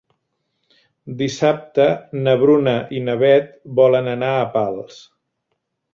Dissabte na Bruna i na Beth volen anar a Pals.